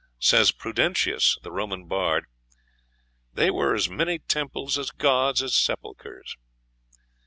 Says Prudentius, the Roman bard, "there were as many temples of gods as sepulchres."